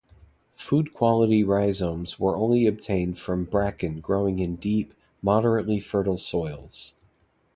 Food-quality rhizomes were only obtained from bracken growing in deep, moderately fertile soils.